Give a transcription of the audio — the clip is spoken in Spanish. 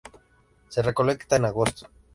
Se recolecta en agosto.